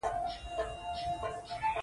که نه باید ټول لاسونه سره ورکړو